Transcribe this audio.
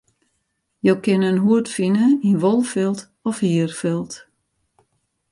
Jo kinne in hoed fine yn wolfilt of hierfilt.